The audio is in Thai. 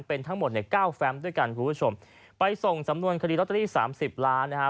เป็นทั้งหมดเนี่ยเก้าแฟมด้วยกันคุณผู้ชมไปส่งสำนวนคดีลอตเตอรี่สามสิบล้านนะฮะ